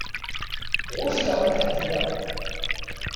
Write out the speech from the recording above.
Ɣucceɣ ad ḥeddedeɣ.